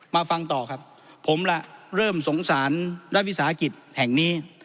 ฟังต่อครับผมล่ะเริ่มสงสารรัฐวิสาหกิจแห่งนี้